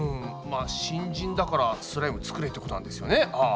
まあ新人だからスライム作れってことなんですよね。